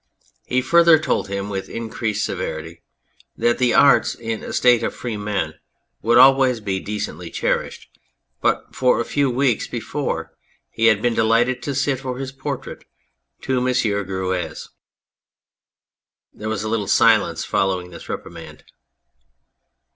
He further told him with increased severity that the arts in a State of free men would always be decently cherished, for but a few weeks before he had been delighted to sit for his portrait to M. Greuze. There was a little silence following this reprimand.